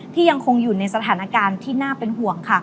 ยังคงอยู่ในสถานการณ์ที่น่าเป็นห่วงค่ะ